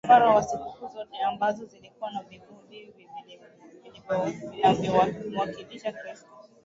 makafara na sikukuu zote ambazo zilikuwa ni vivuli vinavyomwakilisha Kristo